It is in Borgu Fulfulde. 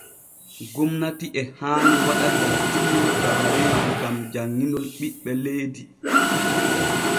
Gomnati e haani waɗa dartiiru dabareeji gam janŋinol ɓiɓɓe leydi.